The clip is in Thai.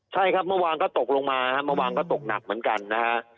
ใช่ครับเมื่อวานก็ตกลงมาเมื่อวานก็ตกหนักเหมือนกันนะฮะ